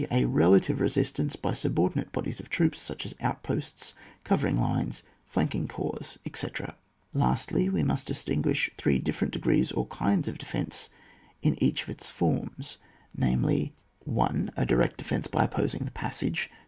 A relative resistance by subordinate bodies of troops, such as outposts, cover ing lines, flanking corps, etc. Lastly, we must distinguish three different degrees or kinds of defence, in each of its forms, namely — 1. A direct defence by opposing the passage.